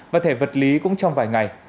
và thẻ vật lý cũng trong vài ngày